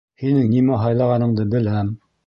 Һинең нимә һайлағаныңды беләм.